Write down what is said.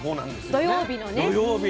土曜日の。